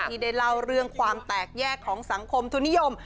ที่ได้เล่าเรื่องความแตกแยกของสังคมทุนิยม